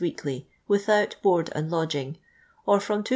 weekly, without board and lodging, or from 2jr.